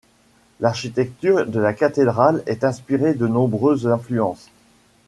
L'architecture de la cathédrale est inspirée de nombreuses influences.